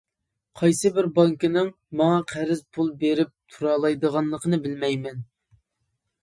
قايسىبىر بانكىنىڭ ماڭا قەرز پۇل بېرىپ تۇرالايدىغانلىقىنى بىلمەيمەن.